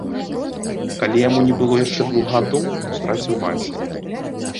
Калі яму не было яшчэ двух гадоў, ён страціў маці.